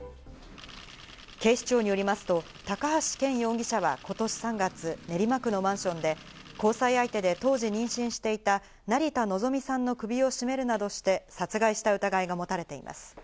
警視庁によりますと高橋剣容疑者は今年３月、練馬区のマンションで交際相手で当時、妊娠していた成田のぞみさんの首を絞めるなどして殺害した疑いが持たれています。